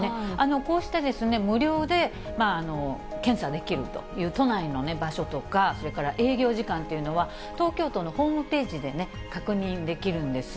こうして無料で検査できるという都内の場所とか、それから営業時間っていうのは、東京都のホームページでね、確認できるんです。